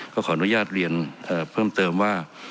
ขออนุญาตเรียนเพิ่มเติมว่า